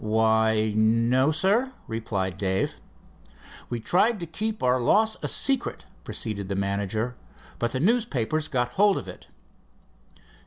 "Why, no, sir," replied Dave. "We tried to keep our loss a secret," proceeded the manager, "but the newspapers got hold of it."